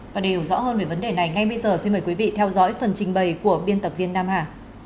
và để hiểu rõ hơn về vấn đề này ngay bây giờ xin mời quý vị theo dõi phần trình bày của biên tập viên nam hà